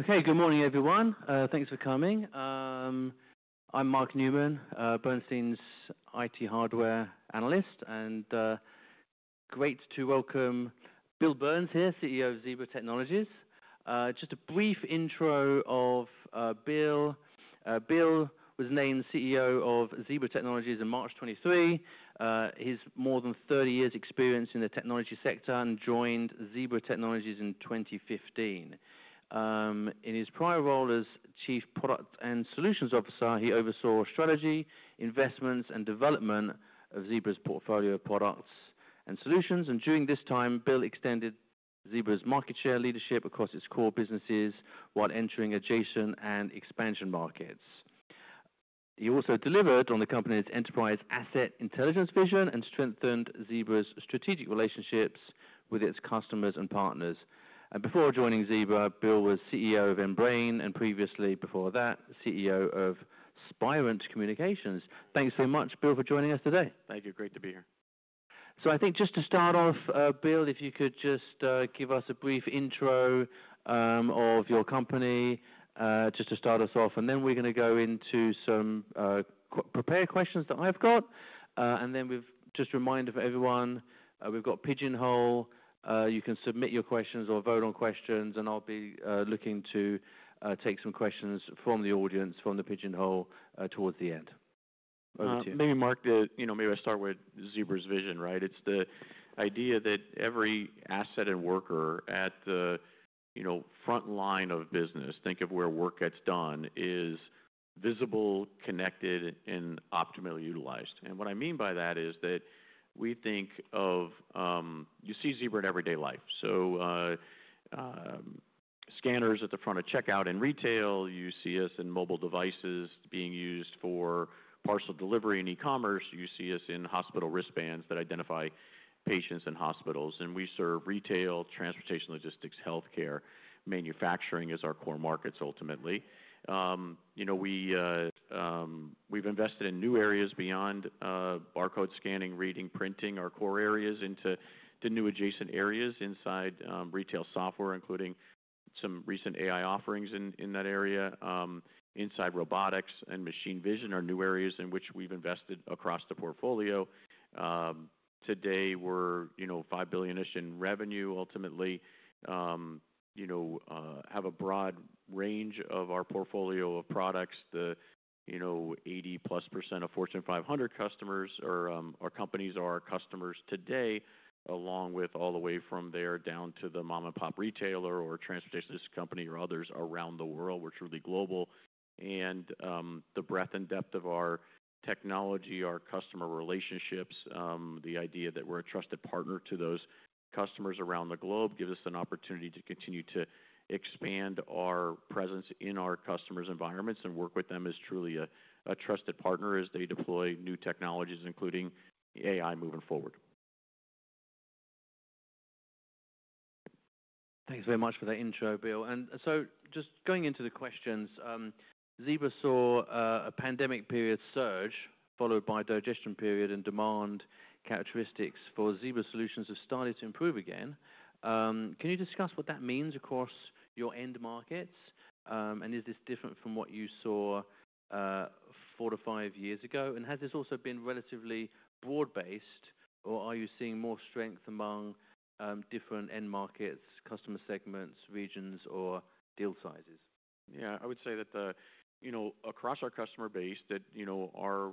Okay, good morning, everyone. Thanks for coming. I'm Mark Newman, Bernstein's IT hardware analyst, and, great to welcome Bill Burns here, CEO of Zebra Technologies. Just a brief intro of, Bill. Bill was named CEO of Zebra Technologies in March 2023. He's more than 30 years' experience in the technology sector and joined Zebra Technologies in 2015. In his prior role as Chief Product and Solutions Officer, he oversaw strategy, investments, and development of Zebra's portfolio of products and solutions. During this time, Bill extended Zebra's market share leadership across its core businesses while entering adjacent and expansion markets. He also delivered on the company's enterprise asset intelligence vision and strengthened Zebra's strategic relationships with its customers and partners. Before joining Zebra, Bill was CEO of Embrain and previously, before that, CEO of Spirent Communications. Thanks so much, Bill, for joining us today. Thank you. Great to be here. I think just to start off, Bill, if you could just give us a brief intro of your company just to start us off, and then we're gonna go into some prepared questions that I've got. And then just a reminder for everyone, we've got Pigeonhole. You can submit your questions or vote on questions, and I'll be looking to take some questions from the audience from the Pigeonhole towards the end. Over to you. Maybe, Mark, the, you know, maybe I start with Zebra's vision, right? It's the idea that every asset and worker at the, you know, front line of business, think of where work gets done, is visible, connected, and optimally utilized. And what I mean by that is that we think of, you see Zebra in everyday life. So, scanners at the front of checkout in retail, you see us in mobile devices being used for parcel delivery and e-commerce. You see us in hospital wristbands that identify patients in hospitals. And we serve retail, transportation, logistics, healthcare, manufacturing as our core markets, ultimately. You know, we, we've invested in new areas beyond barcode scanning, reading, printing, our core areas, into the new adjacent areas inside retail software, including some recent AI offerings in, in that area. Inside robotics and machine vision are new areas in which we've invested across the portfolio. Today, we're, you know, $5 billion-ish in revenue, ultimately, you know, have a broad range of our portfolio of products. The, you know, 80+% of Fortune 500 customers or, our companies are our customers today, along with all the way from there down to the mom-and-pop retailer or transportation company or others around the world, we're truly global. The breadth and depth of our technology, our customer relationships, the idea that we're a trusted partner to those customers around the globe gives us an opportunity to continue to expand our presence in our customers' environments and work with them as truly a, a trusted partner as they deploy new technologies, including AI, moving forward. Thanks very much for that intro, Bill. Just going into the questions, Zebra saw a pandemic period surge, followed by a digestion period, and demand characteristics for Zebra solutions have started to improve again. Can you discuss what that means across your end markets? Is this different from what you saw four to five years ago? Has this also been relatively broad-based, or are you seeing more strength among different end markets, customer segments, regions, or deal sizes? Yeah, I would say that, you know, across our customer base, our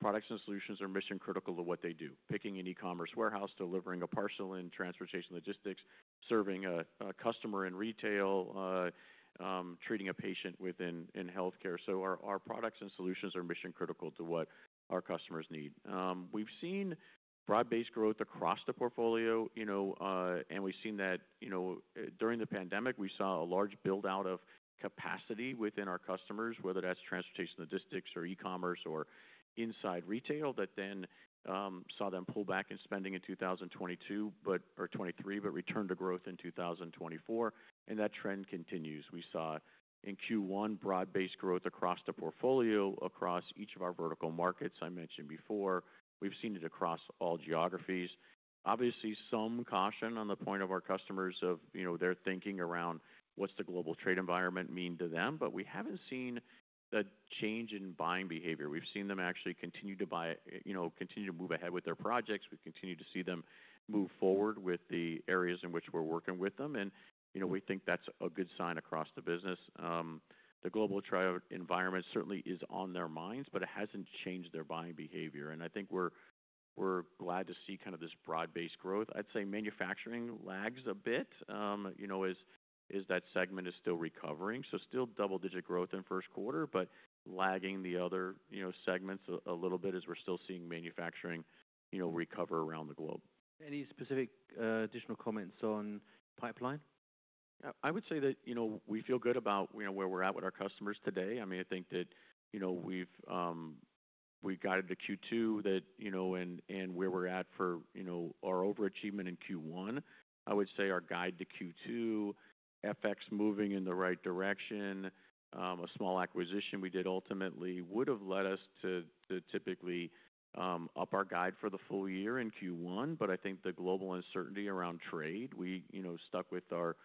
products and solutions are mission-critical to what they do, picking in an e-commerce warehouse, delivering a parcel in transportation logistics, serving a customer in retail, treating a patient within healthcare. Our products and solutions are mission-critical to what our customers need. We've seen broad-based growth across the portfolio, and we've seen that during the pandemic, we saw a large buildout of capacity within our customers, whether that's transportation logistics or e-commerce or inside retail, that then saw them pull back in spending in 2022 or 2023, but return to growth in 2024. That trend continues. We saw in Q1 broad-based growth across the portfolio, across each of our vertical markets I mentioned before. We've seen it across all geographies. Obviously, some caution on the point of our customers of, you know, their thinking around what the global trade environment means to them, but we have not seen the change in buying behavior. We have seen them actually continue to buy, you know, continue to move ahead with their projects. We have continued to see them move forward with the areas in which we are working with them. You know, we think that is a good sign across the business. The global trade environment certainly is on their minds, but it has not changed their buying behavior. I think we are glad to see kind of this broad-based growth. I would say manufacturing lags a bit, you know, as that segment is still recovering. Still double-digit growth in first quarter, but lagging the other segments a little bit as we are still seeing manufacturing, you know, recover around the globe. Any specific, additional comments on pipeline? I would say that, you know, we feel good about, you know, where we're at with our customers today. I mean, I think that, you know, we guided to Q2 that, you know, and where we're at for, you know, our overachievement in Q1. I would say our guide to Q2, FX moving in the right direction, a small acquisition we did ultimately would've led us to typically up our guide for the full year in Q1. I think the global uncertainty around trade, we, you know, stuck with our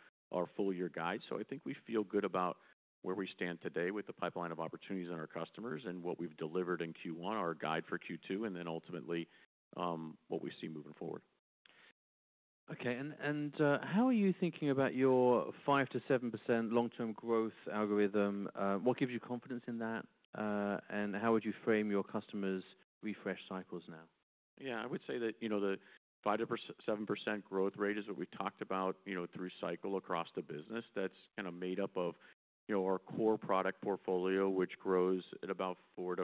full-year guide. I think we feel good about where we stand today with the pipeline of opportunities and our customers and what we've delivered in Q1, our guide for Q2, and then ultimately, what we see moving forward. Okay. And how are you thinking about your 5-7% long-term growth algorithm? What gives you confidence in that? And how would you frame your customers' refresh cycles now? Yeah, I would say that, you know, the 5-7% growth rate is what we talked about, you know, through cycle across the business. That's kind of made up of, you know, our core product portfolio, which grows at about 4-5%,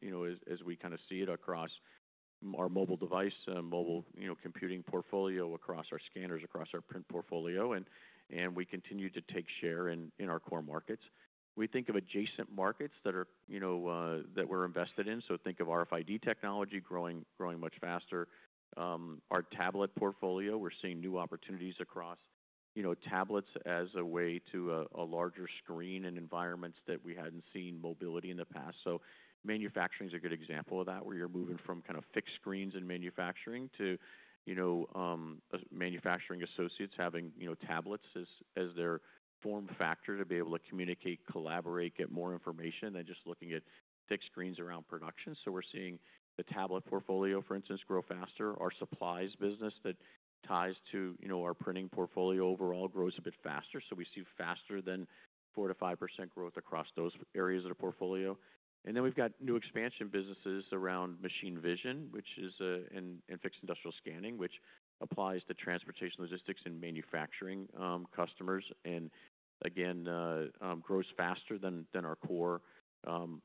you know, as, as we kind of see it across our mobile device, mobile, you know, computing portfolio across our scanners, across our print portfolio. And, and we continue to take share in, in our core markets. We think of adjacent markets that are, you know, that we're invested in. So think of RFID technology growing, growing much faster. Our tablet portfolio, we're seeing new opportunities across, you know, tablets as a way to a, a larger screen and environments that we hadn't seen mobility in the past. Manufacturing's a good example of that, where you're moving from kind of fixed screens in manufacturing to, you know, manufacturing associates having, you know, tablets as their form factor to be able to communicate, collaborate, get more information than just looking at fixed screens around production. We're seeing the tablet portfolio, for instance, grow faster. Our supplies business that ties to, you know, our printing portfolio overall grows a bit faster. We see faster than 4-5% growth across those areas of the portfolio. Then we've got new expansion businesses around machine vision, which is, and fixed industrial scanning, which applies to transportation logistics and manufacturing customers. Again, grows faster than our core.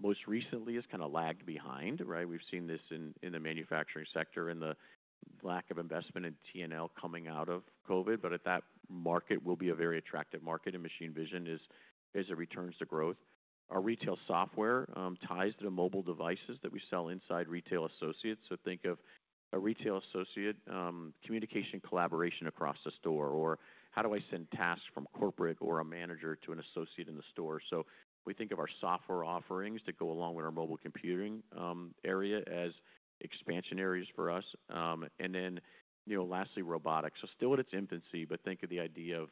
Most recently has kind of lagged behind, right? We've seen this in the manufacturing sector and the lack of investment in T and L coming out of COVID. At that market, we'll be a very attractive market, and machine vision is a return to growth. Our retail software ties to the mobile devices that we sell inside retail associates. So think of a retail associate, communication collaboration across the store, or how do I send tasks from corporate or a manager to an associate in the store? We think of our software offerings that go along with our mobile computing area as expansion areas for us. And then, you know, lastly, robotics. Still at its infancy, but think of the idea of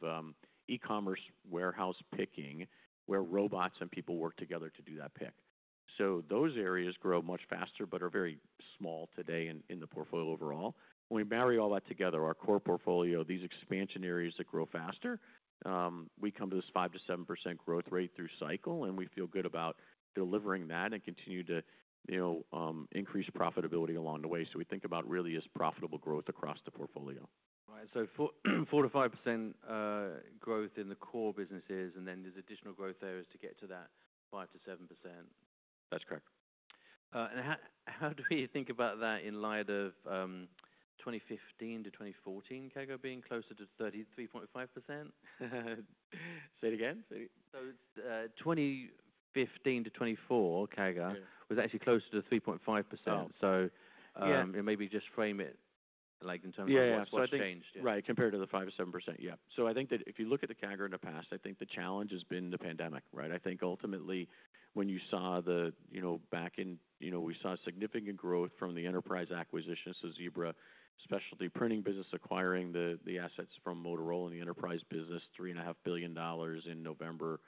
e-commerce warehouse picking, where robots and people work together to do that pick. Those areas grow much faster but are very small today in the portfolio overall. When we marry all that together, our core portfolio, these expansion areas that grow faster, we come to this 5-7% growth rate through cycle, and we feel good about delivering that and continue to, you know, increase profitability along the way. We think about really as profitable growth across the portfolio. Right. So 4-5% growth in the core businesses, and then there's additional growth areas to get to that 5-7%. That's correct. How do we think about that in light of 2015 to 2024 CAGR being closer to 33.5%? Say it again. It is 2015 to 2024, CAGR was actually closer to 3.5%. Maybe just frame it in terms of what has changed. Yeah, so I think right, compared to the 5-7%, yeah. I think that if you look at the CAGR in the past, I think the challenge has been the pandemic, right? I think ultimately when you saw the, you know, back in, you know, we saw significant growth from the enterprise acquisition. So Zebra specialty printing business acquiring the assets from Motorola and the enterprise business, $3.5 billion in November,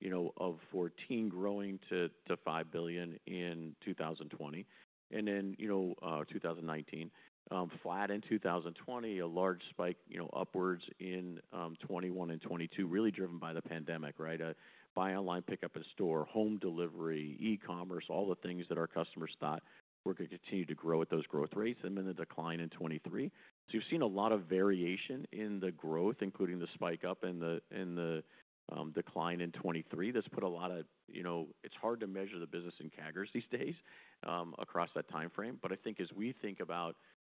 you know, of 2014 growing to $5 billion in 2020. And then, you know, 2019, flat in 2020, a large spike, you know, upwards in 2021 and 2022, really driven by the pandemic, right? Buy online, pick up in store, home delivery, e-commerce, all the things that our customers thought were gonna continue to grow at those growth rates and then the decline in 2023. We've seen a lot of variation in the growth, including the spike up and the decline in 2023. That's put a lot of, you know, it's hard to measure the business in CAGRs these days, across that timeframe. But I think as we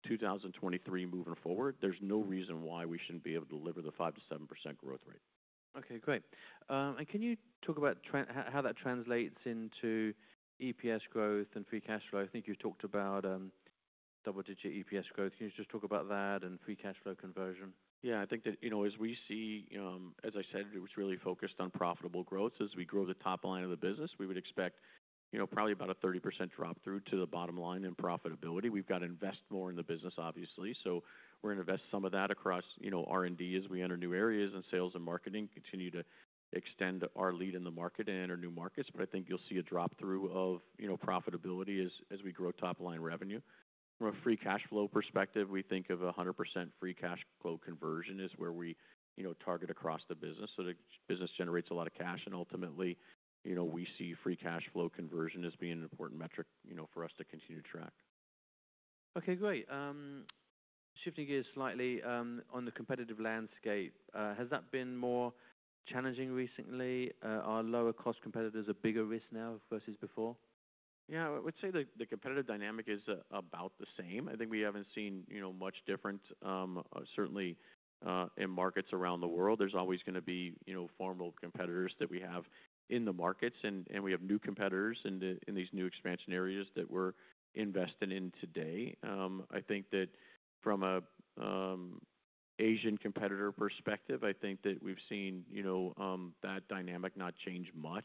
think about 2023 moving forward, there's no reason why we shouldn't be able to deliver the 5-7% growth rate. Okay. Great. And can you talk about how that translates into EPS growth and free cash flow? I think you've talked about double-digit EPS growth. Can you just talk about that and free cash flow conversion? Yeah, I think that, you know, as we see, as I said, it was really focused on profitable growth. As we grow the top line of the business, we would expect, you know, probably about a 30% drop through to the bottom line in profitability. We've got to invest more in the business, obviously. So we're gonna invest some of that across, you know, R&D as we enter new areas and sales and marketing, continue to extend our lead in the market and enter new markets. I think you'll see a drop through of, you know, profitability as, as we grow top line revenue. From a free cash flow perspective, we think of 100% free cash flow conversion as where we, you know, target across the business. The business generates a lot of cash, and ultimately, you know, we see free cash flow conversion as being an important metric, you know, for us to continue to track. Okay. Great. Shifting gears slightly, on the competitive landscape, has that been more challenging recently? Are lower-cost competitors a bigger risk now versus before? Yeah, I would say the competitive dynamic is about the same. I think we haven't seen, you know, much different, certainly, in markets around the world. There's always gonna be, you know, formal competitors that we have in the markets, and we have new competitors in these new expansion areas that we're investing in today. I think that from an Asian competitor perspective, I think that we've seen, you know, that dynamic not change much.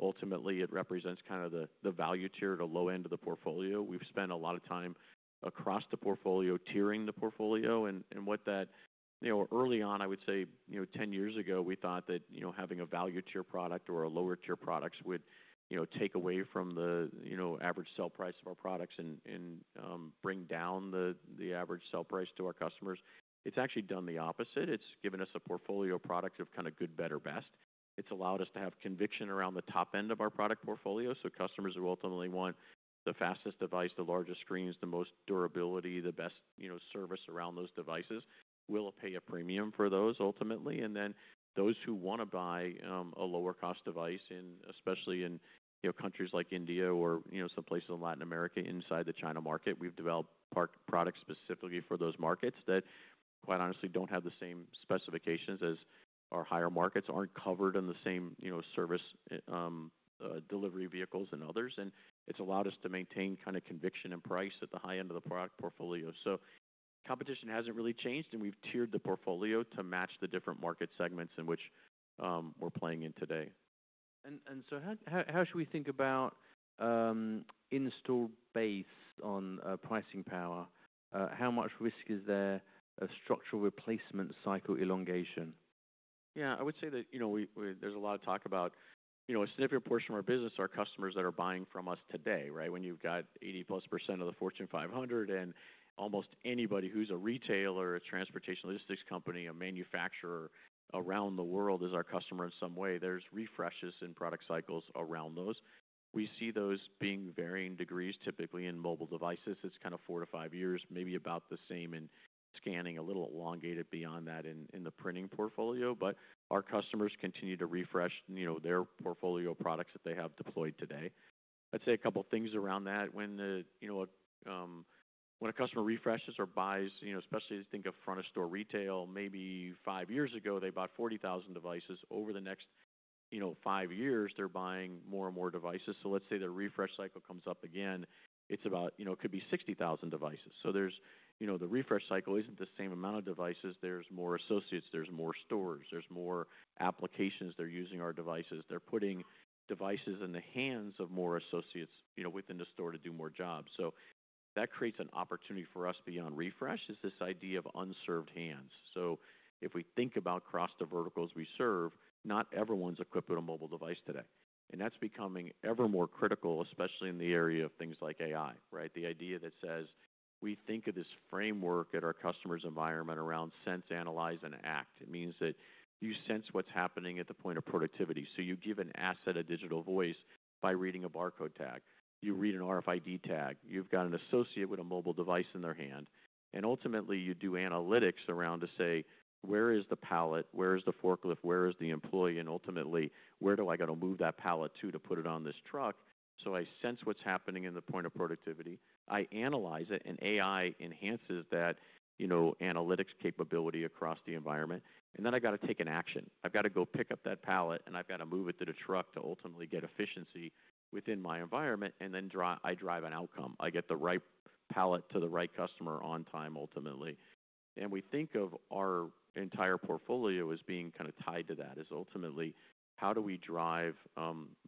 Ultimately, it represents kind of the value tier at a low end of the portfolio. We've spent a lot of time across the portfolio tiering the portfolio. What that, you know, early on, I would say, you know, 10 years ago, we thought that, you know, having a value tier product or a lower tier products would, you know, take away from the, you know, average sell price of our products and bring down the average sell price to our customers. It has actually done the opposite. It has given us a portfolio product of kind of good, better, best. It has allowed us to have conviction around the top end of our product portfolio. Customers who ultimately want the fastest device, the largest screens, the most durability, the best, you know, service around those devices will pay a premium for those ultimately. Those who wanna buy a lower-cost device in, especially in, you know, countries like India or, you know, some places in Latin America inside the China market, we've developed products specifically for those markets that, quite honestly, don't have the same specifications as our higher markets, aren't covered in the same, you know, service delivery vehicles and others. It's allowed us to maintain kind of conviction and price at the high end of the product portfolio. Competition hasn't really changed, and we've tiered the portfolio to match the different market segments in which we're playing in today. How should we think about, in-store based on pricing power? How much risk is there of structural replacement cycle elongation? Yeah, I would say that, you know, we, there's a lot of talk about, you know, a significant portion of our business are customers that are buying from us today, right? When you've got 80-plus % of the Fortune 500 and almost anybody who's a retailer, a transportation logistics company, a manufacturer around the world is our customer in some way. There's refreshes in product cycles around those. We see those being varying degrees, typically in mobile devices. It's kind of 4-5 years, maybe about the same in scanning, a little elongated beyond that in, in the printing portfolio. But our customers continue to refresh, you know, their portfolio products that they have deployed today. I'd say a couple of things around that. When the, you know, when a customer refreshes or buys, you know, especially as you think of front-of-store retail, maybe five years ago, they bought 40,000 devices. Over the next, you know, five years, they're buying more and more devices. Let's say their refresh cycle comes up again, it's about, you know, it could be 60,000 devices. The refresh cycle isn't the same amount of devices. There are more associates. There are more stores. There are more applications. They're using our devices. They're putting devices in the hands of more associates, you know, within the store to do more jobs. That creates an opportunity for us beyond refresh, this idea of unserved hands. If we think about across the verticals we serve, not everyone's equipped with a mobile device today. That is becoming ever more critical, especially in the area of things like AI, right? The idea that says we think of this framework at our customer's environment around sense, analyze, and act. It means that you sense what is happening at the point of productivity. You give an asset a digital voice by reading a barcode tag. You read an RFID tag. You have got an associate with a mobile device in their hand. Ultimately, you do analytics around to say, where is the pallet? Where is the forklift? Where is the employee? Ultimately, where do I gotta move that pallet to, to put it on this truck? I sense what is happening in the point of productivity. I analyze it, and AI enhances that, you know, analytics capability across the environment. I gotta take an action. I've gotta go pick up that pallet, and I've gotta move it to the truck to ultimately get efficiency within my environment. Then I drive an outcome. I get the right pallet to the right customer on time, ultimately. We think of our entire portfolio as being kind of tied to that, is ultimately how do we drive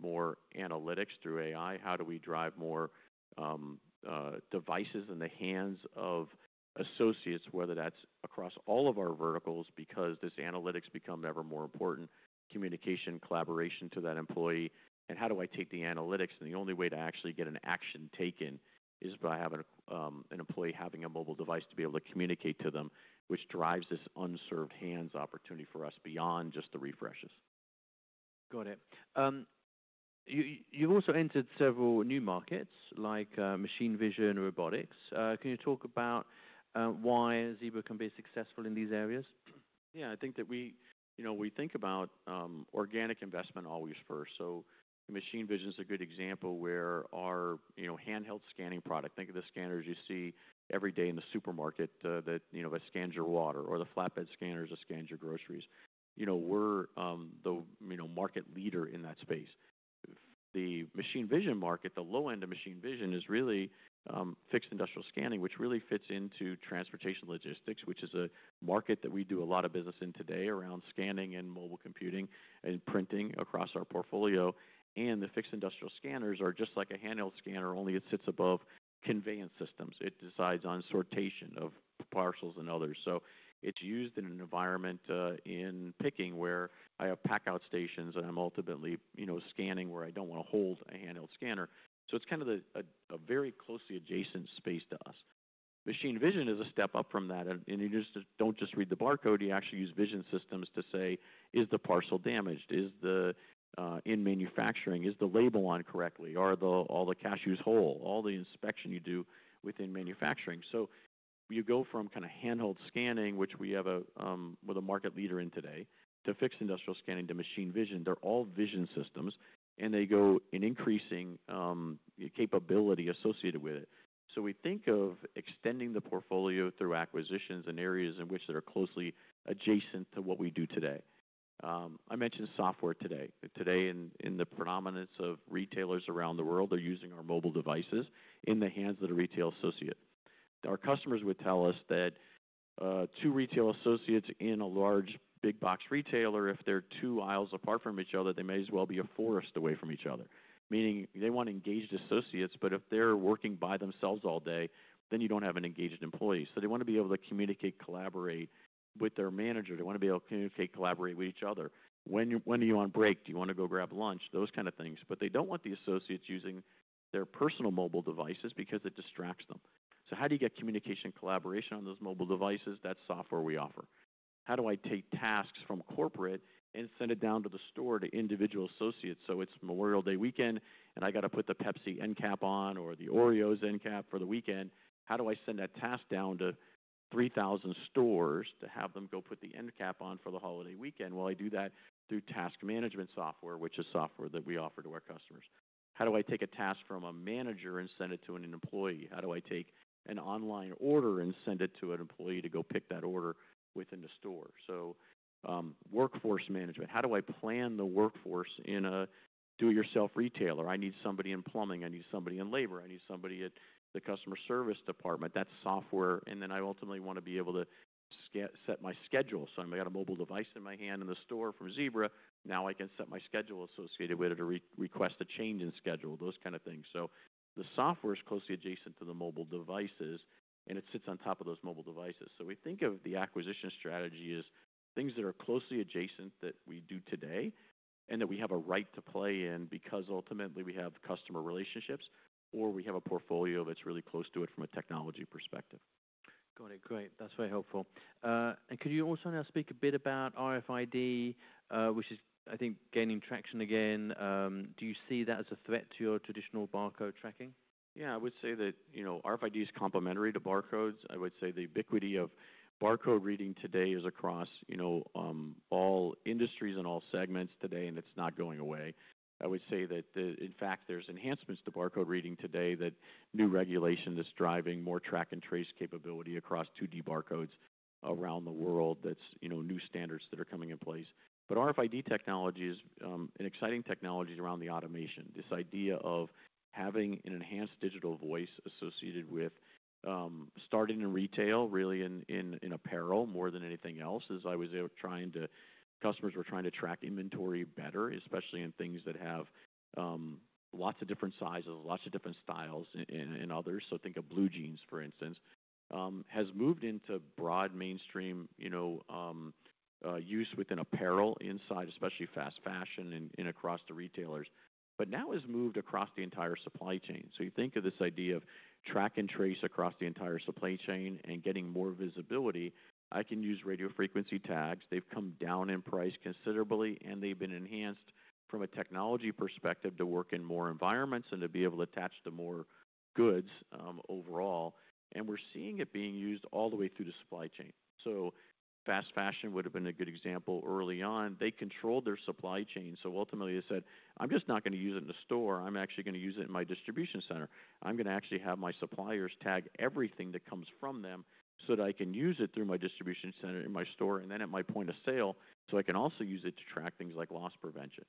more analytics through AI? How do we drive more devices in the hands of associates, whether that's across all of our verticals, because this analytics become ever more important, communication, collaboration to that employee? How do I take the analytics? The only way to actually get an action taken is by having an employee having a mobile device to be able to communicate to them, which drives this unserved hands opportunity for us beyond just the refreshes. Got it. You, you've also entered several new markets like machine vision, robotics. Can you talk about why Zebra can be successful in these areas? Yeah, I think that we, you know, we think about organic investment always first. So machine vision's a good example where our, you know, handheld scanning product—think of the scanners you see every day in the supermarket, that, you know, that scans your water or the flatbed scanners that scan your groceries—you know, we're the, you know, market leader in that space. The machine vision market, the low end of machine vision, is really fixed industrial scanning, which really fits into transportation logistics, which is a market that we do a lot of business in today around scanning and mobile computing and printing across our portfolio. And the fixed industrial scanners are just like a handheld scanner, only it sits above conveyance systems. It decides on sortation of parcels and others. It's used in an environment, in picking where I have pack-out stations, and I'm ultimately, you know, scanning where I don't wanna hold a handheld scanner. It's kind of a very closely adjacent space to us. Machine vision is a step up from that. You just don't just read the barcode. You actually use vision systems to say, is the parcel damaged? In manufacturing, is the label on correctly? Are all the cashews whole? All the inspection you do within manufacturing. You go from kind of handheld scanning, which we have a market leader in today, to fixed industrial scanning to machine vision. They're all vision systems, and they go in increasing capability associated with it. We think of extending the portfolio through acquisitions in areas that are closely adjacent to what we do today. I mentioned software today. Today, in the predominance of retailers around the world, they're using our mobile devices in the hands of the retail associate. Our customers would tell us that two retail associates in a large big-box retailer, if they're two aisles apart from each other, they may as well be a forest away from each other. Meaning they want engaged associates, but if they're working by themselves all day, then you don't have an engaged employee. They want to be able to communicate, collaborate with their manager. They want to be able to communicate, collaborate with each other. When are you on break? Do you want to go grab lunch? Those kind of things. They don't want the associates using their personal mobile devices because it distracts them. How do you get communication, collaboration on those mobile devices? That's software we offer. How do I take tasks from corporate and send it down to the store to individual associates? It is Memorial Day weekend, and I gotta put the Pepsi end cap on or the Oreos end cap for the weekend. How do I send that task down to 3,000 stores to have them go put the end cap on for the holiday weekend? I do that through task management software, which is software that we offer to our customers. How do I take a task from a manager and send it to an employee? How do I take an online order and send it to an employee to go pick that order within the store? Workforce management. How do I plan the workforce in a do-it-yourself retailer? I need somebody in plumbing. I need somebody in labor. I need somebody at the customer service department. That is software. I ultimately wanna be able to set my schedule. I have a mobile device in my hand in the store from Zebra. Now I can set my schedule associated with it or re-request a change in schedule, those kind of things. The software's closely adjacent to the mobile devices, and it sits on top of those mobile devices. We think of the acquisition strategy as things that are closely adjacent that we do today and that we have a right to play in because ultimately we have customer relationships or we have a portfolio that's really close to it from a technology perspective. Got it. Great. That's very helpful. And could you also now speak a bit about RFID, which is, I think, gaining traction again? Do you see that as a threat to your traditional barcode tracking? Yeah, I would say that, you know, RFID is complementary to barcodes. I would say the ubiquity of barcode reading today is across, you know, all industries and all segments today, and it's not going away. I would say that, in fact, there's enhancements to barcode reading today that new regulation is driving more track and trace capability across 2D barcodes around the world. That's, you know, new standards that are coming in place. RFID technology is an exciting technology around the automation. This idea of having an enhanced digital voice associated with, starting in retail, really in apparel more than anything else, as customers were trying to track inventory better, especially in things that have lots of different sizes, lots of different styles, and others. Think of blue jeans, for instance, has moved into broad mainstream, you know, use within apparel inside, especially fast fashion and, and across the retailers, but now has moved across the entire supply chain. You think of this idea of track and trace across the entire supply chain and getting more visibility. I can use radio frequency tags. They've come down in price considerably, and they've been enhanced from a technology perspective to work in more environments and to be able to attach to more goods, overall. We're seeing it being used all the way through the supply chain. Fast fashion would've been a good example early on. They controlled their supply chain. Ultimately, they said, "I'm just not gonna use it in the store. I'm actually gonna use it in my distribution center. I'm gonna actually have my suppliers tag everything that comes from them so that I can use it through my distribution center in my store and then at my point of sale so I can also use it to track things like loss prevention."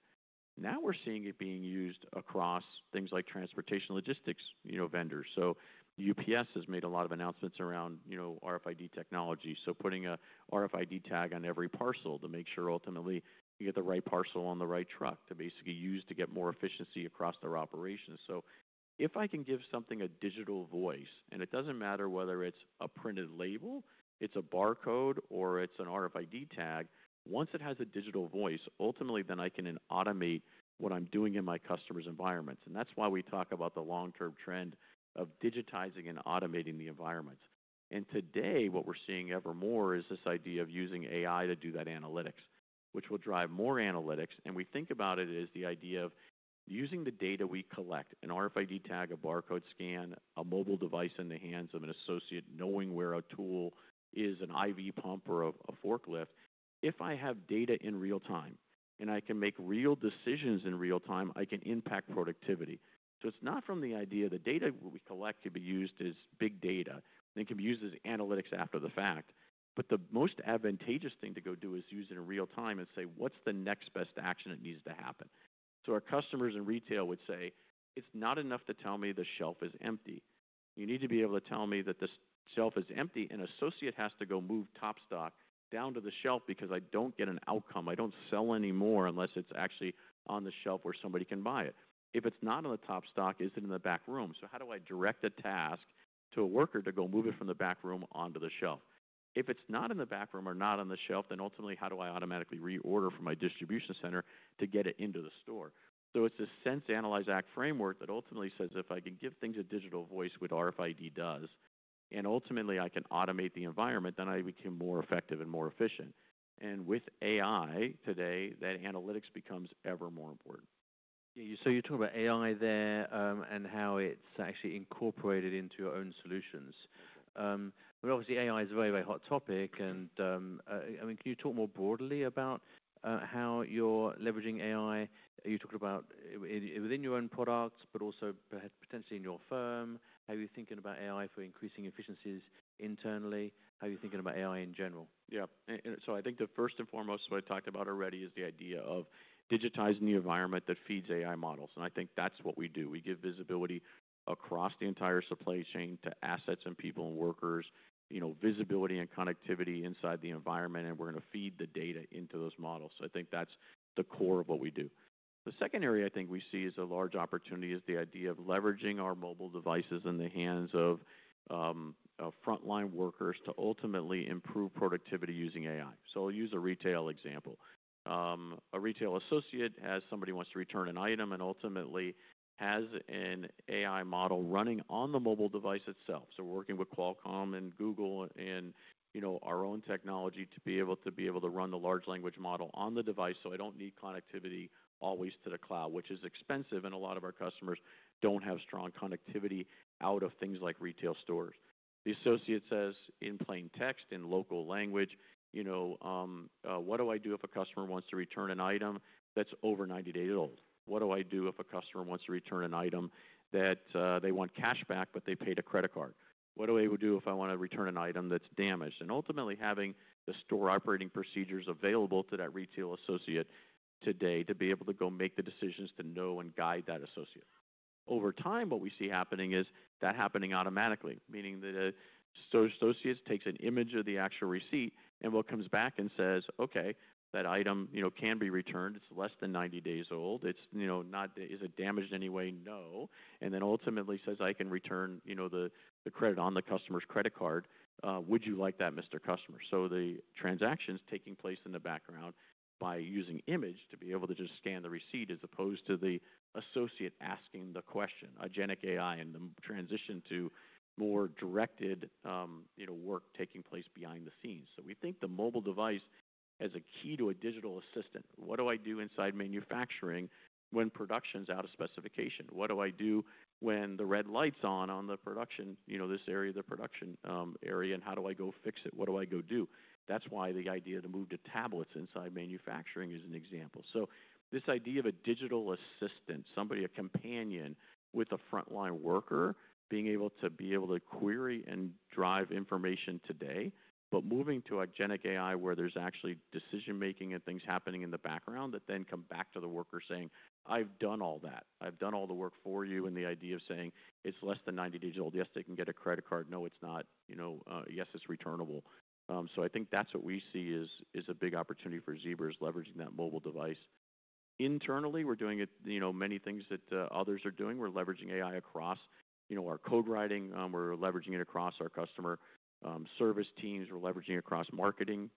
Now we're seeing it being used across things like transportation logistics, you know, vendors. UPS has made a lot of announcements around, you know, RFID technology. Putting a RFID tag on every parcel to make sure ultimately you get the right parcel on the right truck to basically use to get more efficiency across their operations. If I can give something a digital voice, and it doesn't matter whether it's a printed label, it's a barcode, or it's an RFID tag, once it has a digital voice, ultimately then I can automate what I'm doing in my customer's environments. That is why we talk about the long-term trend of digitizing and automating the environments. Today, what we are seeing ever more is this idea of using AI to do that analytics, which will drive more analytics. We think about it as the idea of using the data we collect—an RFID tag, a barcode scan, a mobile device in the hands of an associate knowing where a tool is, an IV pump or a forklift—if I have data in real time and I can make real decisions in real time, I can impact productivity. It is not from the idea the data we collect could be used as big data and can be used as analytics after the fact. The most advantageous thing to go do is use it in real time and say, "What's the next best action that needs to happen?" Our customers in retail would say, "It's not enough to tell me the shelf is empty. You need to be able to tell me that the shelf is empty and associate has to go move top stock down to the shelf because I don't get an outcome. I don't sell any more unless it's actually on the shelf where somebody can buy it. If it's not on the top stock, is it in the back room? How do I direct a task to a worker to go move it from the back room onto the shelf? If it's not in the back room or not on the shelf, then ultimately how do I automatically reorder from my distribution center to get it into the store? It is a sense analyze act framework that ultimately says if I can give things a digital voice, which RFID does, and ultimately I can automate the environment, then I become more effective and more efficient. With AI today, that analytics becomes ever more important. Yeah. You, so you're talking about AI there, and how it's actually incorporated into your own solutions. I mean, obviously AI is a very, very hot topic. I mean, can you talk more broadly about how you're leveraging AI? Are you talking about it within your own products, but also perhaps potentially in your firm? How are you thinking about AI for increasing efficiencies internally? How are you thinking about AI in general? Yeah. I think the first and foremost, what I talked about already is the idea of digitizing the environment that feeds AI models. I think that's what we do. We give visibility across the entire supply chain to assets and people and workers, you know, visibility and connectivity inside the environment, and we're gonna feed the data into those models. I think that's the core of what we do. The second area I think we see as a large opportunity is the idea of leveraging our mobile devices in the hands of frontline workers to ultimately improve productivity using AI. I'll use a retail example. A retail associate has somebody who wants to return an item and ultimately has an AI model running on the mobile device itself. We're working with Qualcomm and Google and, you know, our own technology to be able to run the large language model on the device so I don't need connectivity always to the cloud, which is expensive. A lot of our customers don't have strong connectivity out of things like retail stores. The associate says in plain text in local language, you know, "What do I do if a customer wants to return an item that's over 90 days old? What do I do if a customer wants to return an item that, they want cash back but they paid a credit card? What do I do if I wanna return an item that's damaged?" Ultimately, having the store operating procedures available to that retail associate today to be able to go make the decisions to know and guide that associate. Over time, what we see happening is that happening automatically, meaning that an associate takes an image of the actual receipt and what comes back and says, "Okay, that item, you know, can be returned. It's less than 90 days old. It's, you know, not, is it damaged in any way? No." And then ultimately says, "I can return, you know, the credit on the customer's credit card. Would you like that, Mr. Customer?" The transaction's taking place in the background by using image to be able to just scan the receipt as opposed to the associate asking the question, a generative AI, and the transition to more directed, you know, work taking place behind the scenes. We think the mobile device as a key to a digital assistant. What do I do inside manufacturing when production's out of specification? What do I do when the red light's on on the production, you know, this area, the production area, and how do I go fix it? What do I go do? That's why the idea to move to tablets inside manufacturing is an example. This idea of a digital assistant, somebody, a companion with a frontline worker being able to be able to query and drive information today, but moving to a genic AI where there's actually decision-making and things happening in the background that then come back to the worker saying, "I've done all that. I've done all the work for you." The idea of saying, "It's less than 90 days old. Yes, they can get a credit card. No, it's not, you know, yes, it's returnable." I think that's what we see is a big opportunity for Zebra's leveraging that mobile device. Internally, we're doing it, you know, many things that others are doing. We're leveraging AI across, you know, our code writing. We're leveraging it across our customer service teams. We're leveraging it across marketing.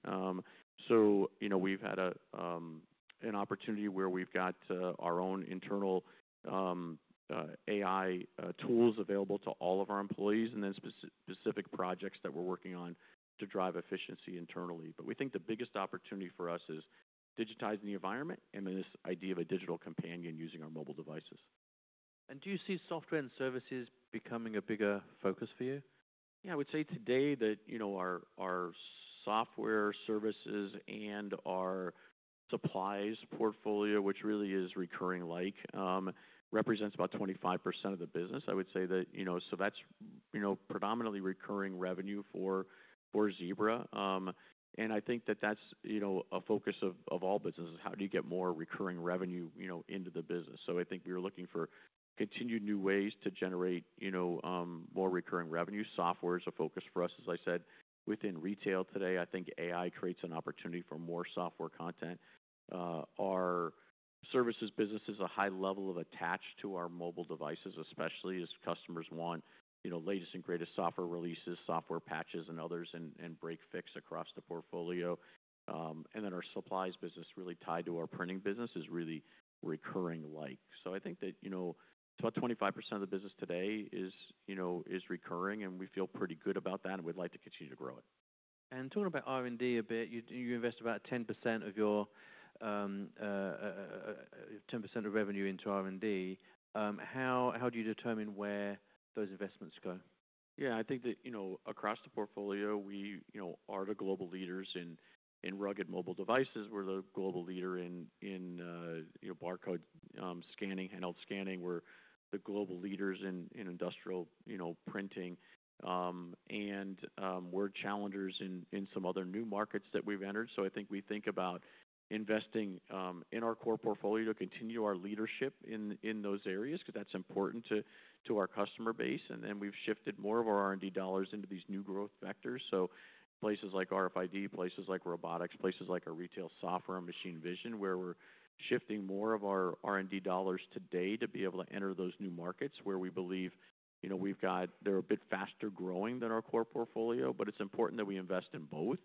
You know, we've had an opportunity where we've got our own internal AI tools available to all of our employees and then specific projects that we're working on to drive efficiency internally. We think the biggest opportunity for us is digitizing the environment and this idea of a digital companion using our mobile devices. Do you see software and services becoming a bigger focus for you? Yeah, I would say today that, you know, our software services and our supplies portfolio, which really is recurring like, represents about 25% of the business. I would say that, you know, so that's, you know, predominantly recurring revenue for, for Zebra. I think that that's, you know, a focus of all businesses. How do you get more recurring revenue, you know, into the business? I think we are looking for continued new ways to generate, you know, more recurring revenue. Software is a focus for us. As I said, within retail today, I think AI creates an opportunity for more software content. Our services business is a high level of attached to our mobile devices, especially as customers want, you know, latest and greatest software releases, software patches, and others and, and break fix across the portfolio. and then our supplies business really tied to our printing business is really recurring like. So I think that, you know, about 25% of the business today is, you know, is recurring, and we feel pretty good about that, and we'd like to continue to grow it. Talking about R&D a bit, you invest about 10% of your, 10% of revenue into R&D. How do you determine where those investments go? Yeah, I think that, you know, across the portfolio, we, you know, are the global leaders in, in rugged mobile devices. We're the global leader in, in, you know, barcode scanning, handheld scanning. We're the global leaders in, in industrial, you know, printing. and, we're challengers in, in some other new markets that we've entered. I think we think about investing, in our core portfolio to continue our leadership in, in those areas 'cause that's important to, to our customer base. And then we've shifted more of our R&D dollars into these new growth vectors. Places like RFID, places like robotics, places like retail software and machine vision where we're shifting more of our R&D dollars today to be able to enter those new markets where we believe, you know, they're a bit faster growing than our core portfolio, but it's important that we invest in both.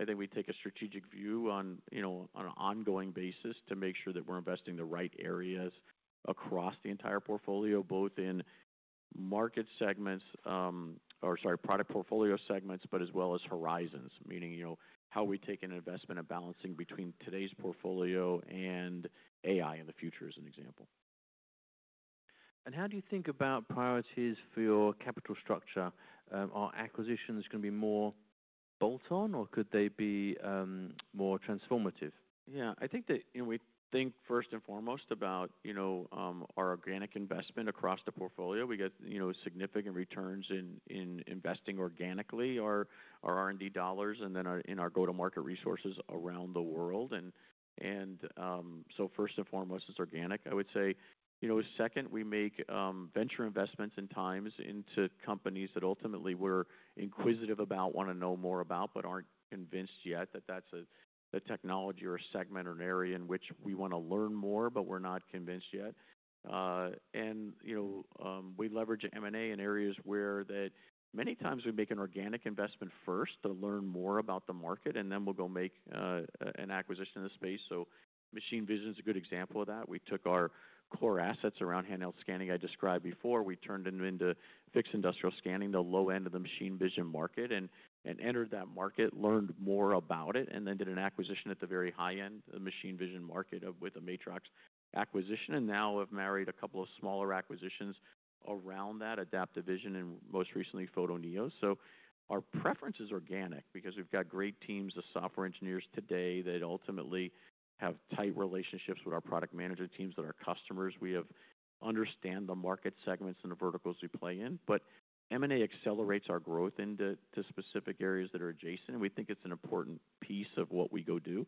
I think we take a strategic view on, you know, on an ongoing basis to make sure that we're investing in the right areas across the entire portfolio, both in market segments, or sorry, product portfolio segments, but as well as horizons, meaning, you know, how we take an investment and balancing between today's portfolio and AI in the future as an example. How do you think about priorities for your capital structure? Are acquisitions gonna be more bolt-on or could they be more transformative? Yeah, I think that, you know, we think first and foremost about, you know, our organic investment across the portfolio. We get, you know, significant returns in investing organically our R&D dollars and then in our go-to-market resources around the world. First and foremost is organic, I would say. You know, second, we make venture investments at times into companies that ultimately we're inquisitive about, wanna know more about, but aren't convinced yet that that's a technology or a segment or an area in which we wanna learn more, but we're not convinced yet. You know, we leverage M&A in areas where many times we make an organic investment first to learn more about the market, and then we'll go make an acquisition in the space. Machine vision's a good example of that. We took our core assets around handheld scanning I described before. We turned them into fixed industrial scanning, the low end of the machine vision market, and entered that market, learned more about it, and then did an acquisition at the very high end, the machine vision market, with a Matrox acquisition. Now we've married a couple of smaller acquisitions around that, Adaptive Vision and most recently Photoneo. Our preference is organic because we've got great teams of software engineers today that ultimately have tight relationships with our product manager teams that are customers. We understand the market segments and the verticals we play in, but M&A accelerates our growth into specific areas that are adjacent, and we think it's an important piece of what we go do.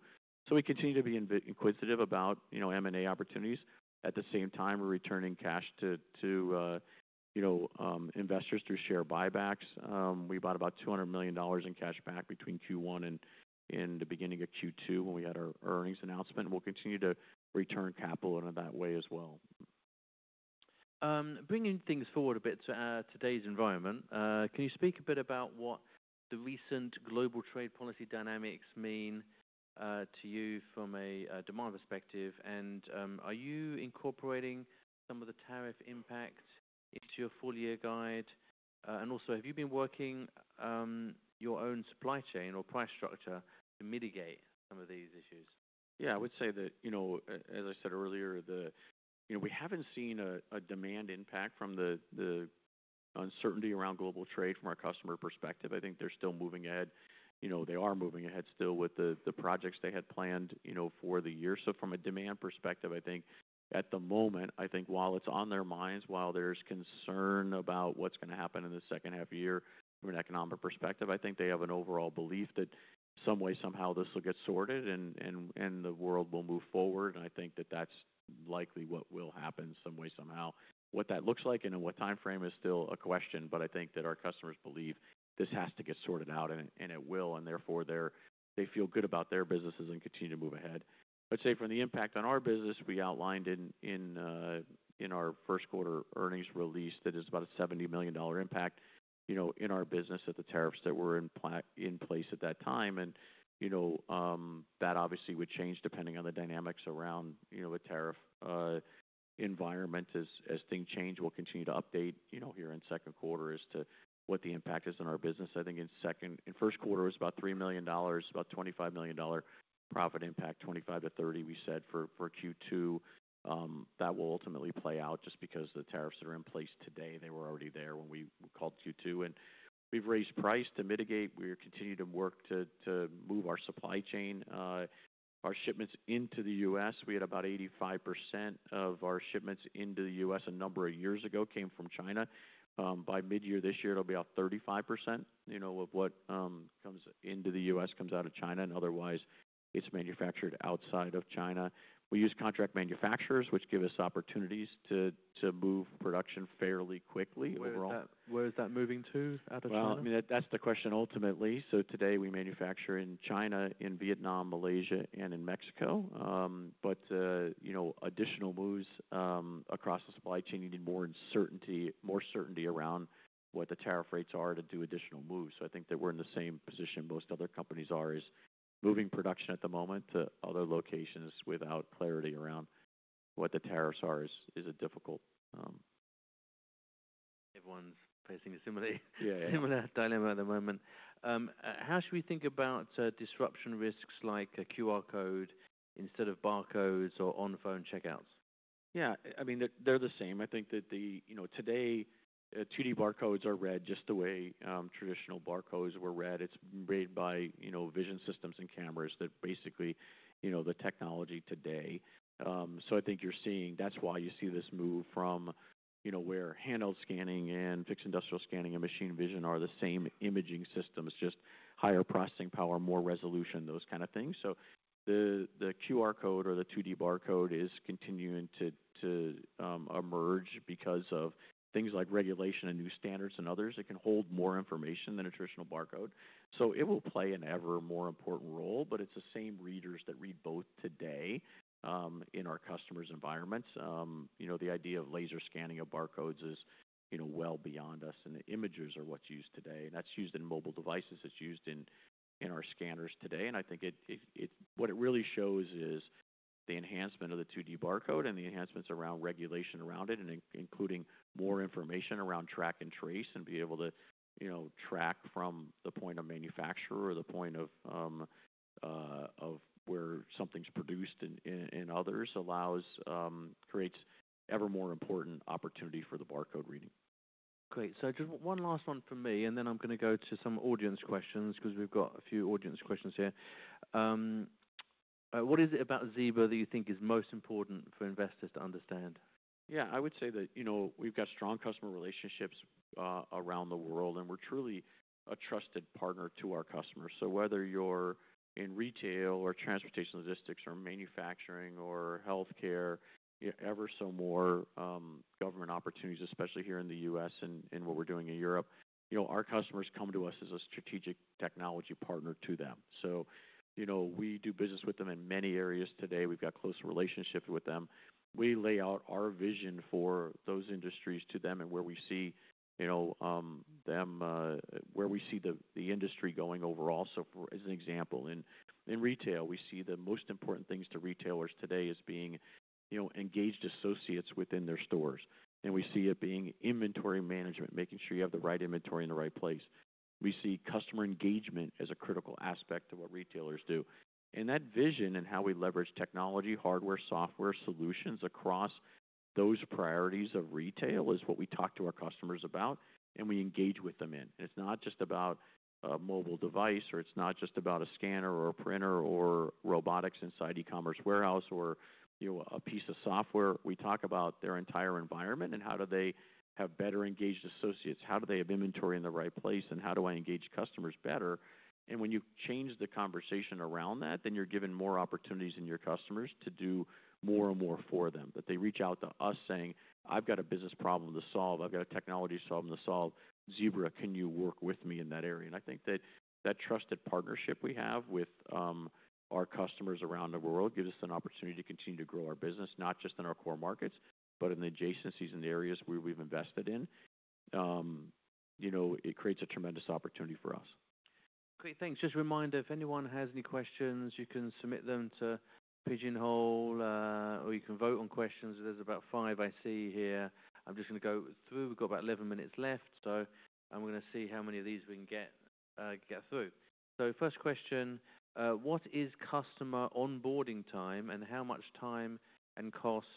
We continue to be inquisitive about, you know, M&A opportunities. At the same time, we're returning cash to, you know, investors through share buybacks. We bought about $200 million in cash back between Q1 and in the beginning of Q2 when we had our earnings announcement. We'll continue to return capital in that way as well. Bringing things forward a bit to our today's environment, can you speak a bit about what the recent global trade policy dynamics mean to you from a demand perspective? Are you incorporating some of the tariff impact into your full year guide? Also, have you been working your own supply chain or price structure to mitigate some of these issues? Yeah, I would say that, you know, as I said earlier, we haven't seen a demand impact from the uncertainty around global trade from our customer perspective. I think they're still moving ahead. You know, they are moving ahead still with the projects they had planned for the year. From a demand perspective, I think at the moment, while it's on their minds, while there's concern about what's gonna happen in the second half year from an economic perspective, I think they have an overall belief that some way, somehow this will get sorted and the world will move forward. I think that that's likely what will happen some way, somehow. What that looks like and in what timeframe is still a question, but I think that our customers believe this has to get sorted out, and it will. Therefore, they feel good about their businesses and continue to move ahead. I'd say from the impact on our business, we outlined in our first quarter earnings release that it's about a $70 million impact, you know, in our business at the tariffs that were in place at that time. And, you know, that obviously would change depending on the dynamics around, you know, a tariff environment. As things change, we'll continue to update, you know, here in second quarter as to what the impact is on our business. I think in first quarter was about $3 million, about $25 million profit impact, $25 million-$30 million we said for Q2. that will ultimately play out just because the tariffs that are in place today, they were already there when we called Q2. We've raised price to mitigate. We're continuing to work to move our supply chain, our shipments into the U.S. We had about 85% of our shipments into the U.S. a number of years ago came from China. By midyear this year, it'll be about 35%, you know, of what comes into the U.S. comes out of China. Otherwise, it's manufactured outside of China. We use contract manufacturers, which give us opportunities to move production fairly quickly overall. Where is that? Where is that moving to out of China? I mean, that, that's the question ultimately. Today we manufacture in China, in Vietnam, Malaysia, and in Mexico. You know, additional moves across the supply chain need more certainty around what the tariff rates are to do additional moves. I think that we're in the same position most other companies are, as moving production at the moment to other locations without clarity around what the tariffs are is a difficult, Everyone's facing a similar. Yeah, yeah. Similar dilemma at the moment. How should we think about disruption risks like a QR code instead of barcodes or on-phone checkouts? Yeah, I mean, they're the same. I think that, you know, today, 2D barcodes are read just the way traditional barcodes were read. It's made by, you know, vision systems and cameras that basically, you know, the technology today. I think you're seeing that's why you see this move from, you know, where handheld scanning and fixed industrial scanning and machine vision are the same imaging systems, just higher processing power, more resolution, those kind of things. The QR code or the 2D barcode is continuing to emerge because of things like regulation and new standards and others. It can hold more information than a traditional barcode. It will play an ever more important role, but it's the same readers that read both today, in our customers' environments. You know, the idea of laser scanning of barcodes is, you know, well beyond us, and the imagers are what's used today. It's used in mobile devices. It's used in our scanners today. I think what it really shows is the enhancement of the 2D barcode and the enhancements around regulation around it and including more information around track and trace and be able to, you know, track from the point of manufacturer or the point of where something's produced and others allows, creates ever more important opportunity for the barcode reading. Great. So just one last one for me, and then I'm gonna go to some audience questions 'cause we've got a few audience questions here. What is it about Zebra that you think is most important for investors to understand? Yeah, I would say that, you know, we've got strong customer relationships around the world, and we're truly a trusted partner to our customers. Whether you're in retail or transportation logistics or manufacturing or healthcare, you know, ever so more, government opportunities, especially here in the U.S. and what we're doing in Europe, you know, our customers come to us as a strategic technology partner to them. You know, we do business with them in many areas today. We've got close relationships with them. We lay out our vision for those industries to them and where we see, you know, them, where we see the industry going overall. For as an example, in retail, we see the most important things to retailers today as being, you know, engaged associates within their stores. We see it being inventory management, making sure you have the right inventory in the right place. We see customer engagement as a critical aspect of what retailers do. That vision and how we leverage technology, hardware, software solutions across those priorities of retail is what we talk to our customers about and we engage with them in. It is not just about a mobile device or it is not just about a scanner or a printer or robotics inside e-commerce warehouse or, you know, a piece of software. We talk about their entire environment and how do they have better engaged associates, how do they have inventory in the right place, and how do I engage customers better. When you change the conversation around that, then you are given more opportunities in your customers to do more and more for them. They reach out to us saying, "I've got a business problem to solve. I've got a technology problem to solve. Zebra, can you work with me in that area?" I think that that trusted partnership we have with our customers around the world gives us an opportunity to continue to grow our business, not just in our core markets, but in the adjacencies and the areas where we've invested in. You know, it creates a tremendous opportunity for us. Great. Thanks. Just a reminder, if anyone has any questions, you can submit them to Pigeonhole, or you can vote on questions. There's about five I see here. I'm just gonna go through. We've got about 11 minutes left, so I'm gonna see how many of these we can get through. First question, what is customer onboarding time and how much time and cost?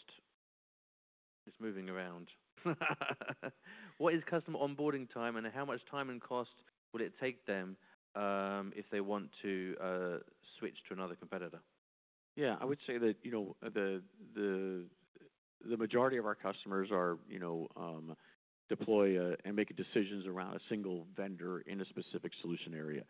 It's moving around. What is customer onboarding time and how much time and cost will it take them, if they want to, switch to another competitor? Yeah, I would say that, you know, the majority of our customers are, you know, deploy, and make decisions around a single vendor in a specific solution area.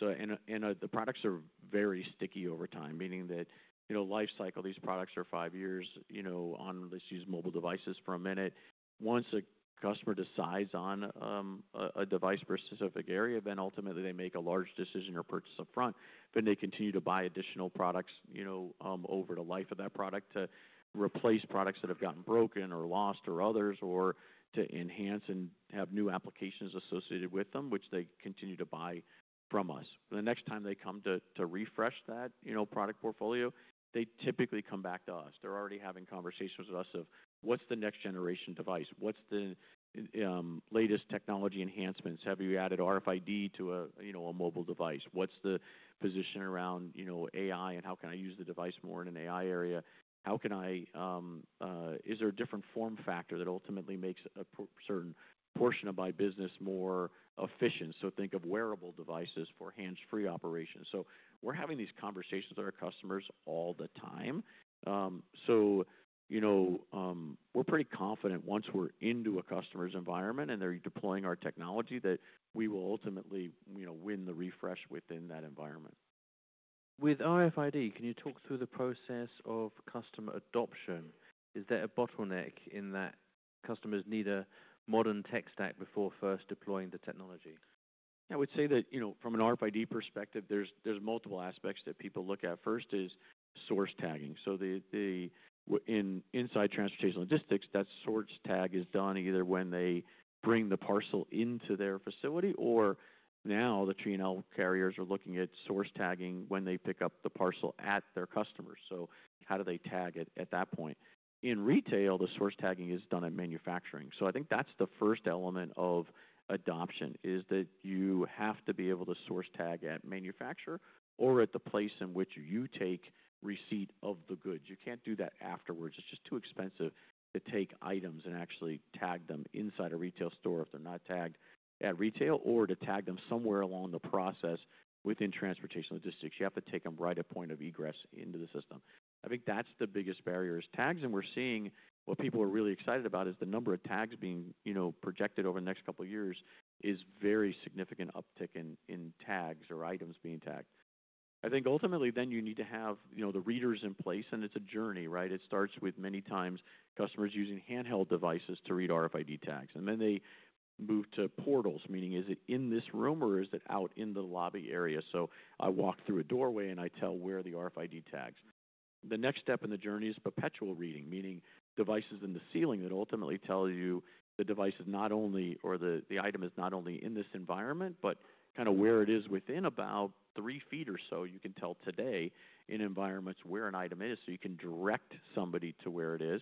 The products are very sticky over time, meaning that, you know, lifecycle, these products are five years, you know, on this use mobile devices for a minute. Once a customer decides on a device for a specific area, then ultimately they make a large decision or purchase upfront, then they continue to buy additional products, you know, over the life of that product to replace products that have gotten broken or lost or others or to enhance and have new applications associated with them, which they continue to buy from us. The next time they come to refresh that, you know, product portfolio, they typically come back to us. They're already having conversations with us of what's the next generation device? What's the latest technology enhancements? Have you added RFID to a, you know, a mobile device? What's the position around, you know, AI and how can I use the device more in an AI area? How can I, is there a different form factor that ultimately makes a certain portion of my business more efficient? Think of wearable devices for hands-free operations. We're having these conversations with our customers all the time. So, you know, we're pretty confident once we're into a customer's environment and they're deploying our technology that we will ultimately, you know, win the refresh within that environment. With RFID, can you talk through the process of customer adoption? Is there a bottleneck in that customers need a modern-tech stack before first deploying the technology? I would say that, you know, from an RFID perspective, there's multiple aspects that people look at. First is source tagging. In inside transportation logistics, that source tag is done either when they bring the parcel into their facility or now the T and L carriers are looking at source tagging when they pick up the parcel at their customers. How do they tag it at that point? In retail, the source tagging is done at manufacturing. I think that's the first element of adoption, that you have to be able to source tag at manufacturer or at the place in which you take receipt of the goods. You can't do that afterwards. It's just too expensive to take items and actually tag them inside a retail store if they're not tagged at retail or to tag them somewhere along the process within transportation logistics. You have to take them right at point of egress into the system. I think that's the biggest barrier is tags. And we're seeing what people are really excited about is the number of tags being, you know, projected over the next couple of years is very significant uptick in tags or items being tagged. I think ultimately then you need to have, you know, the readers in place, and it's a journey, right? It starts with many times customers using handheld devices to read RFID tags, and then they move to portals, meaning is it in this room or is it out in the lobby area? I walk through a doorway and I tell wear the RFID tags. The next step in the journey is perpetual reading, meaning devices in the ceiling that ultimately tell you the device is not only, or the, the item is not only in this environment, but kind of where it is within about three feet or so. You can tell today in environments where an item is, so you can direct somebody to where it is.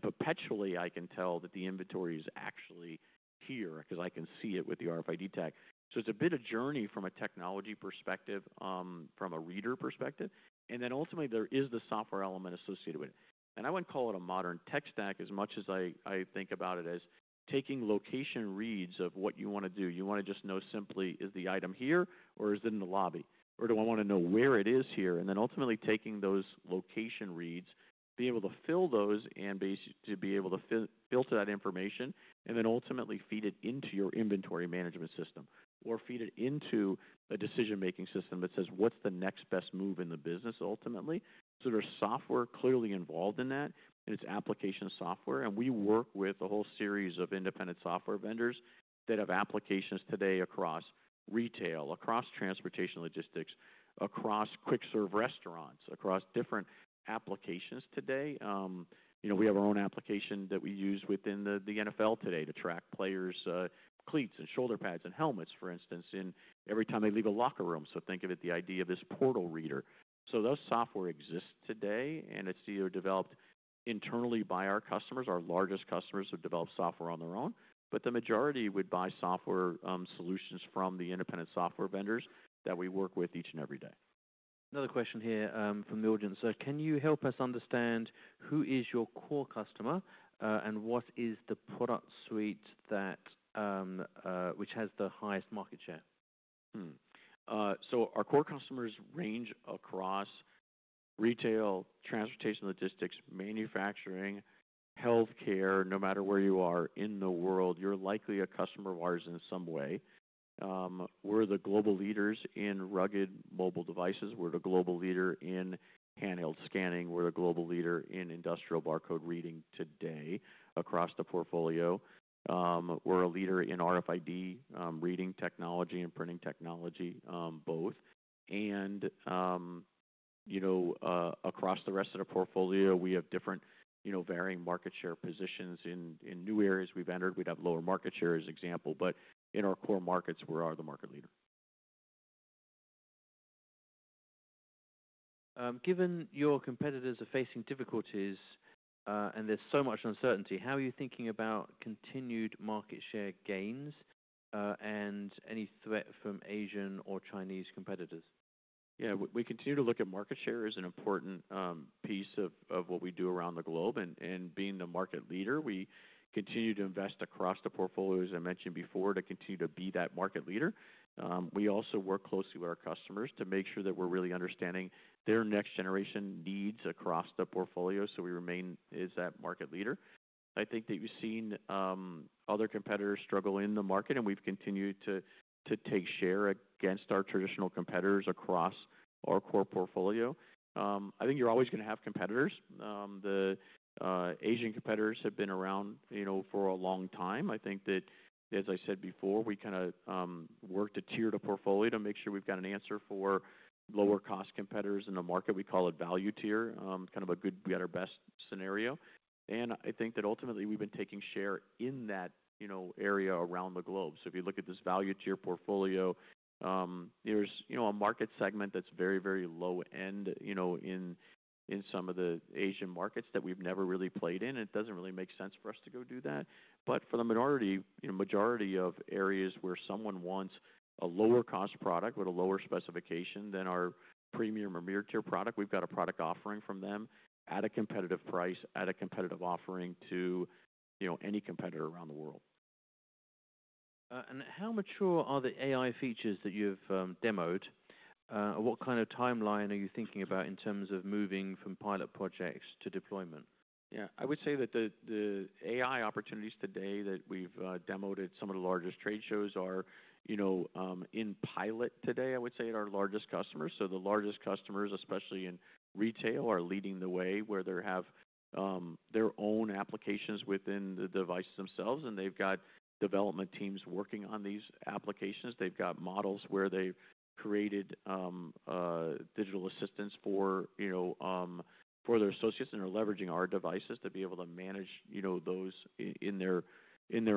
Perpetually, I can tell that the inventory is actually here 'cause I can see it with the RFID tag. It is a bit of a journey from a technology perspective, from a reader perspective. Ultimately, there is the software element associated with it. I would not call it a modern tech stack as much as I, I think about it as taking location reads of what you want to do. You want to just know simply, is the item here or is it in the lobby? Or do I wanna know where it is here? And then ultimately taking those location reads, being able to fill those and base to be able to fill, filter that information and then ultimately feed it into your inventory management system or feed it into a decision-making system that says what's the next best move in the business ultimately. There is software clearly involved in that, and it's application software. We work with a whole series of independent software vendors that have applications today across retail, across transportation logistics, across quick-serve restaurants, across different applications today. You know, we have our own application that we use within the NFL today to track players, cleats and shoulder pads and helmets, for instance, every time they leave a locker room. Think of it, the idea of this portal reader. Those software exists today, and it's either developed internally by our customers. Our largest customers have developed software on their own, but the majority would buy software, solutions from the independent software vendors that we work with each and every day. Another question here, from the audience. Can you help us understand who is your core customer, and what is the product suite that, which has the highest market share? Our core customers range across retail, transportation logistics, manufacturing, healthcare. No matter where you are in the world, you're likely a customer of ours in some way. We're the global leaders in rugged mobile devices. We're the global leader in handheld scanning. We're the global leader in industrial barcode reading today across the portfolio. We're a leader in RFID reading technology and printing technology, both. And, you know, across the rest of the portfolio, we have different, you know, varying market share positions in new areas we've entered. We'd have lower market share as an example, but in our core markets, we are the market leader. Given your competitors are facing difficulties, and there's so much uncertainty, how are you thinking about continued market share gains, and any threat from Asian or Chinese competitors? Yeah, we continue to look at market share as an important piece of what we do around the globe. Being the market leader, we continue to invest across the portfolio, as I mentioned before, to continue to be that market leader. We also work closely with our customers to make sure that we're really understanding their next generation needs across the portfolio so we remain that market leader. I think that you've seen other competitors struggle in the market, and we've continued to take share against our traditional competitors across our core portfolio. I think you're always gonna have competitors. The Asian competitors have been around, you know, for a long time. I think that, as I said before, we kind of work to tier the portfolio to make sure we've got an answer for lower-cost competitors in the market. We call it value tier, kind of a good, we got our best scenario. I think that ultimately we've been taking share in that, you know, area around the globe. If you look at this value tier portfolio, there's, you know, a market segment that's very, very low end, you know, in some of the Asian markets that we've never really played in, and it doesn't really make sense for us to go do that. For the majority of areas where someone wants a lower-cost product with a lower specification than our premium or mid-tier product, we've got a product offering for them at a competitive price, at a competitive offering to, you know, any competitor around the world. And how mature are the AI features that you've demoed? What kind of timeline are you thinking about in terms of moving from pilot projects to deployment? Yeah, I would say that the AI opportunities today that we've demoed at some of the largest trade shows are, you know, in pilot today, I would say, at our largest customers. The largest customers, especially in retail, are leading the way where they have their own applications within the devices themselves, and they've got development teams working on these applications. They've got models where they've created digital assistance for, you know, for their associates, and they're leveraging our devices to be able to manage, you know, those in their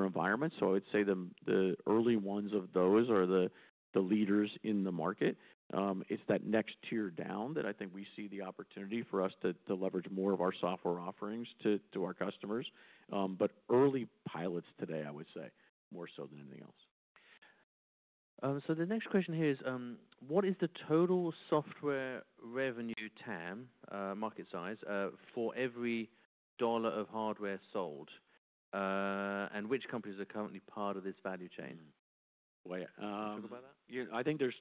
environment. I would say the early ones of those are the leaders in the market. It's that next tier down that I think we see the opportunity for us to leverage more of our software offerings to our customers but, Early pilots today, I would say, more so than anything else. So the next question here is, what is the total software revenue TAM, market size, for every dollar of hardware sold? And which companies are currently part of this value chain? Wait, Talk about that. You know, I think there's,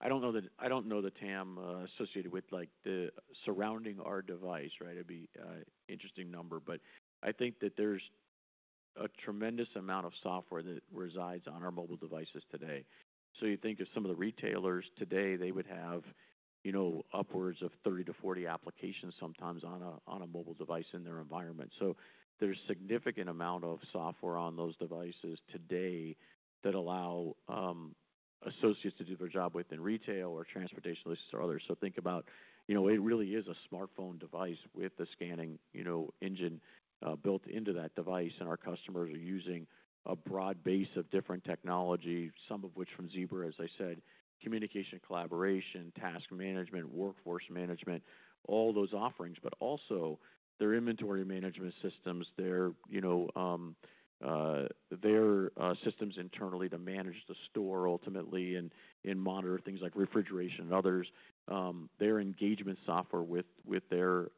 I don't know the, I don't know the TAM, associated with, like, the surrounding our device, right? It'd be, interesting number, but I think that there's a tremendous amount of software that resides on our mobile devices today. You think of some of the retailers today, they would have, you know, upwards of 30-40 applications sometimes on a, on a mobile device in their environment. There's a significant amount of software on those devices today that allow, associates to do their job within retail or transportation logistics or others. Think about, you know, it really is a smartphone device with the scanning, you know, engine built into that device, and our customers are using a broad base of different technology, some of which from Zebra, as I said, communication, collaboration, task management, workforce management, all those offerings, but also their inventory management systems, their, you know, their systems internally to manage the store ultimately and monitor things like refrigeration and others, their engagement software with, with their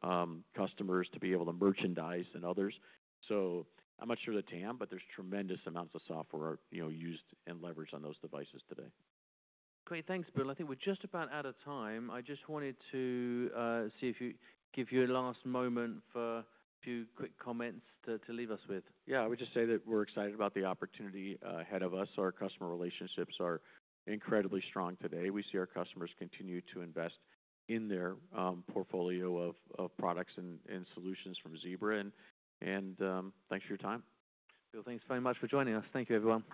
customers to be able to merchandise and others. I'm not sure of the TAM, but there's tremendous amounts of software are, you know, used and leveraged on those devices today. Great. Thanks, Bill. I think we're just about out of time. I just wanted to see if you could give your last moment for a few quick comments to leave us with. Yeah, I would just say that we're excited about the opportunity ahead of us. Our customer relationships are incredibly strong today. We see our customers continue to invest in their portfolio of products and solutions from Zebra. Thanks for your time. Bill, thanks very much for joining us. Thank you, everyone.